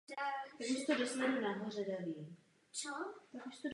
Je to levostranný přítok řeky Úpy.